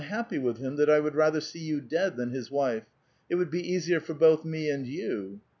uuhappy with him, that I would rather see you dead than his wife. It would be easier for both me and you."